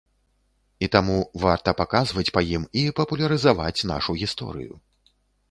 І таму варта паказваць па ім і папулярызаваць нашу гісторыю.